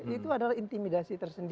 itu adalah intimidasi tersendiri